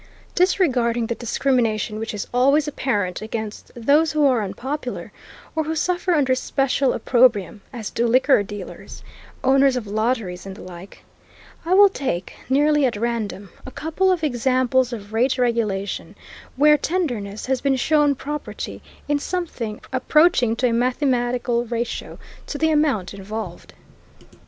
Disregarding the discrimination which is always apparent against those who are unpopular, or who suffer under special opprobrium, as do liquor dealers, owners of lotteries, and the like, I will take, nearly at random, a couple of examples of rate regulation, where tenderness has been shown property in something approaching to a mathematical ratio to the amount involved.